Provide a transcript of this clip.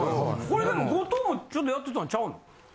これでも後藤もちょっとやってたんちゃうの？